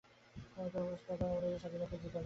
তাকে তার পুরষ্কার দেও এবং নিজের স্বাধীনতা জিতে নাও।